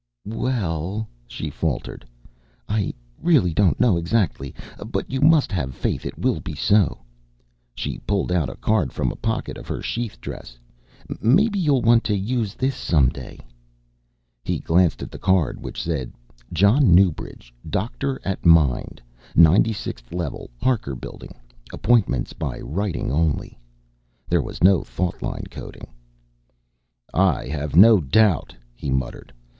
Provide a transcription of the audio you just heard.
"We l l ," she faltered, "I really don't know exactly. But you must have faith it will be so." She pulled out a card from a pocket of her sheath dress. "Maybe you'll want to use this some day." He glanced at the card which said, John Newbridge, Doctor at Mind, 96th Level, Harker Building, Appointments by Writing Only. There was no thought line coding. "I have no doubt," he muttered.